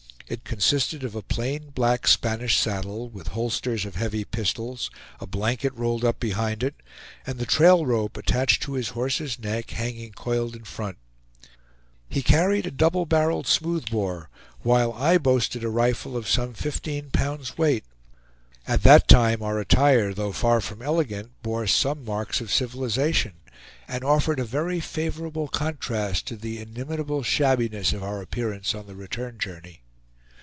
It consisted of a plain, black Spanish saddle, with holsters of heavy pistols, a blanket rolled up behind it, and the trail rope attached to his horse's neck hanging coiled in front. He carried a double barreled smooth bore, while I boasted a rifle of some fifteen pounds' weight. At that time our attire, though far from elegant, bore some marks of civilization, and offered a very favorable contrast to the inimitable shabbiness of our appearance on the return journey.